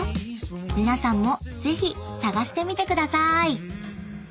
［皆さんもぜひ探してみてくださーい］